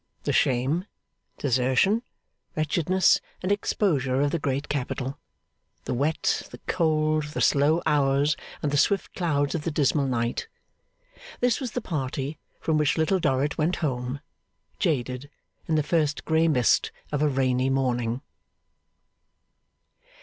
The shame, desertion, wretchedness, and exposure of the great capital; the wet, the cold, the slow hours, and the swift clouds of the dismal night. This was the party from which Little Dorrit went home, jaded, in the first grey mist of a rainy morning.